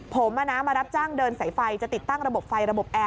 ผมมารับจ้างเดินสายไฟจะติดตั้งระบบไฟระบบแอร์